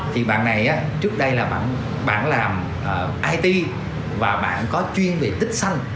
thì bạn này trước đây là bạn làm it và bạn có chuyên về tích xanh